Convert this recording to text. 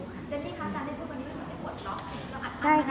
เจลลี่คะท่านได้พูดวันนี้เพราะว่าหนูไม่โกรธเนอะ